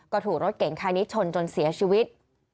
ก็ถูกรถเก่งคันนี้ชนจนเสียชีวิต